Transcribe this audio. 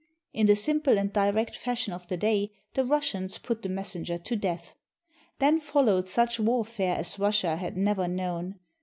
In the simple and direct fashion of the day, the Russians put the messenger to death. Then followed such warfare as Rus sia had never known.